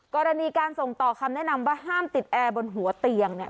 กรณีการส่งต่อคำแนะนำว่าห้ามติดแอร์บนหัวเตียงเนี่ย